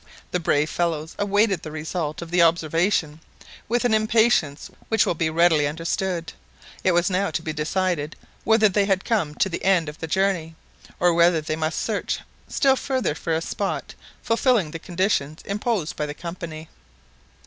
The brave fellows awaited the result of the observation with an impatience which will be readily understood. It was now to be decided whether they had come to the end of their journey, or whether they must search still further for a spot fulfilling the conditions imposed by the Company.